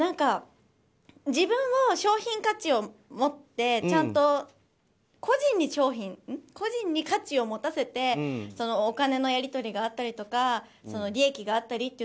自分の商品価値を持ってちゃんと個人に価値を持たせてお金のやり取りがあったりとか利益があったり。